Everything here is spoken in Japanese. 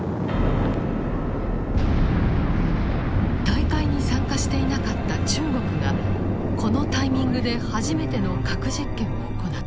大会に参加していなかった中国がこのタイミングで初めての核実験を行った。